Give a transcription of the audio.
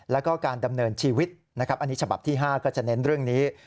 แล้วก็การดำเนินชีวิตนะครับอันนี้ฉบับที่๕ก็จะเน้นเรื่องนี้